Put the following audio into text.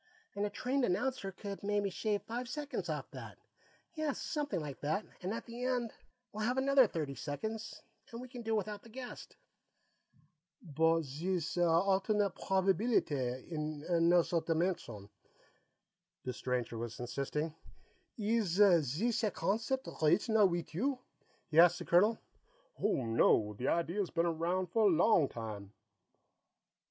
"And a trained announcer could maybe shave five seconds off that. Yes, something like that, and at the end we'll have another thirty seconds, and we can do without the guest." "But zees alternate probibeelitay, in anozzer dimension," the stranger was insisting. "Ees zees a concept original weet you?" he asked the colonel. "Oh, no; that idea's been around for a long time."